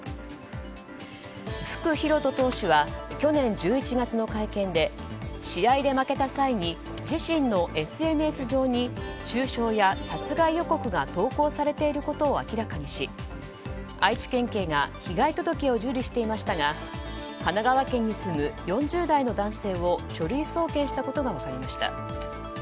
福敬登投手は去年１１月の会見で試合で負けた際に自身のＳＮＳ上に中傷や殺害予告が投稿されていることを明らかにし、愛知県警が被害届を受理していましたが神奈川県に住む４０代の男性を書類送検したことが分かりました。